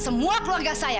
sama semua keluarga saya